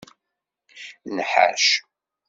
Nḥac.